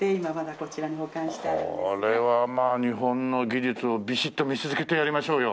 これはまあ日本の技術をビシッと見せつけてやりましょうよ。